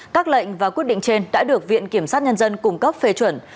các lệnh và quyết định trên đã được viện kiểm sát nhân dân cung cấp phê chuẩn